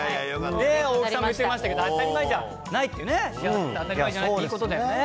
大木さんも言ってましたけど、当り前じゃないって、幸せって当たり前じゃないって、いいことだよね。